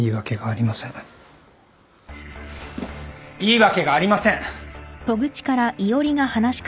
いいわけがありません！